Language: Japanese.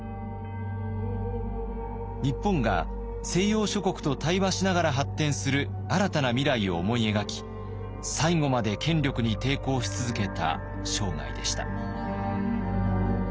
日本が西洋諸国と対話しながら発展する新たな未来を思い描き最後まで権力に抵抗し続けた生涯でした。